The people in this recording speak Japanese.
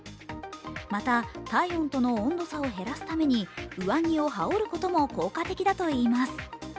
また体温との温度差を減らすために上着を羽織ることも効果的だといいます。